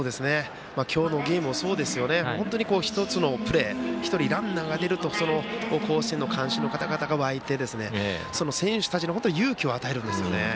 今日のゲームもそうですよね、１つのプレー１人、ランナーが出ると甲子園の観衆の方々が沸いてその選手たちに勇気を与えるんですよね。